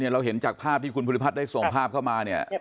เราเห็นจากภาพที่คุณภูริพัฒน์ได้ส่งภาพเข้ามาเนี่ย